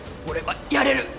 俺はやれる！